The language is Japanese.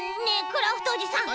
クラフトおじさん。